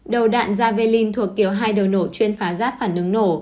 đầu đạn javelin thuộc kiểu hai đầu nổ chuyên phá rác phản ứng nổ